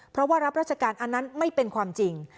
เพราะว่ารับราชการอันนั้นไม่เป็นความจริง